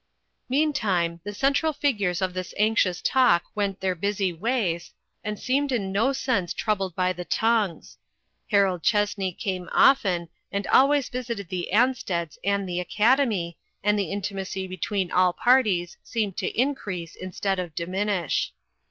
Meantime, the central figures of this anxious talk went their busy ways, and seemed in no sense troubled by the tongues. Harold Chessney came often, and always visited the Ansteds and the Academy, and the intimacy between all parties seemed to increase instead of diminish.